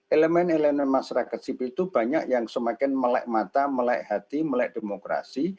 elemen elemen masyarakat sipil itu banyak yang semakin melek mata melek hati melek demokrasi